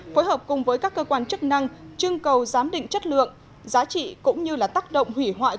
phối hợp cùng với các cơ quan chức năng chương cầu giám định chất lượng giá trị cũng như là tác động hủy hoại